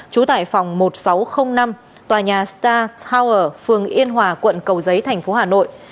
trú tại phòng một nghìn sáu trăm linh năm tòa nhà star house phường yên hòa quận cầu giấy thành phố hà nội